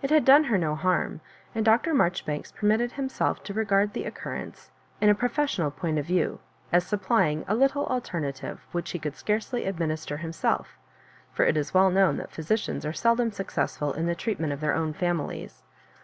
It had done her no harm, and Dr. Marjoribanks permitted himself to regard the occurrence in a professional point of view, as supplying a little alternative which he could scarcely administer himself; for it is well known that physicians are seldom successful in the treatment of their own families.